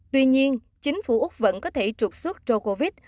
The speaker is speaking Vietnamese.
tuy nhiên chính phủ úc vẫn có thể trục xuất djokovic